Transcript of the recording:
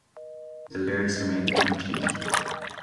The lyrics remained unchanged.